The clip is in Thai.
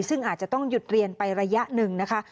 ซึ่งอาจจะต้องหยุดเรียนไประยะหนึ่งนะคะ